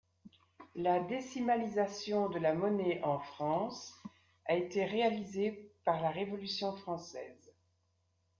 La décimalisation de la monnaie en France a été réalisée par la Révolution française.